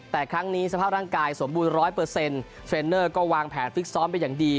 แต่ครั้งนี้สภาพร่างกายสมบูรณ์๑๐๐เทรนเนอร์ก็วางแผนฟิกซ้อมเป็นอย่างดี